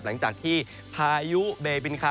หลังจากที่พายุเบบินคา